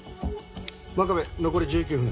真壁残り１９分です。